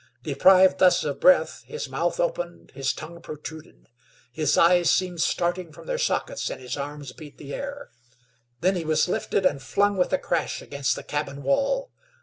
Deprived thus of breath, his mouth opened, his tongue protruded; his eyes seemed starting from their sockets, and his arms beat the air. Then he was lifted and flung with a crash against the cabin wall.